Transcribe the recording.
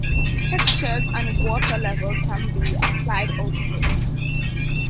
Textures and water level can be applied also.